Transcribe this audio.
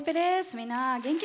みんな元気？